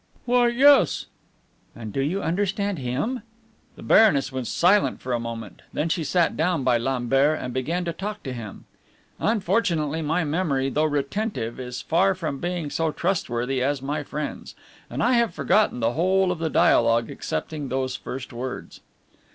"Why? yes!" "And do you understand Him?" The Baroness was silent for a moment; then she sat down by Lambert, and began to talk to him. Unfortunately, my memory, though retentive, is far from being so trustworthy as my friend's, and I have forgotten the whole of the dialogue excepting those first words.